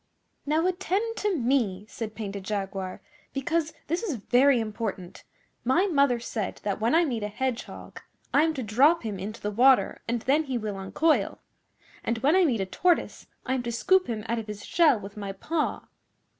'Now attend to me,' said Painted Jaguar, 'because this is very important. My mother said that when I meet a Hedgehog I am to drop him into the water and then he will uncoil, and when I meet a Tortoise I am to scoop him out of his shell with my paw.